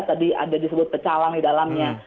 tadi ada disebut pecalang di dalamnya